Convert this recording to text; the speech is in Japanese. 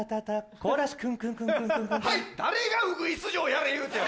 誰がウグイス嬢やれ言うてん！